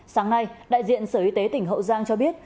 sáng nay đại diện sở y tế tỉnh hậu giang cho biết